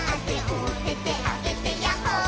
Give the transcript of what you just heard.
「おててあげてやっほー☆」